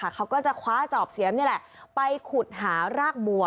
เขาก็จะคว้าจอบเสียมนี่แหละไปขุดหารากบัว